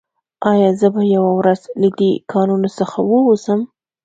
ایا زه به یوه ورځ له دې کانونو څخه ووځم